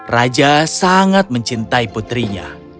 raja sangat mencintai putrinya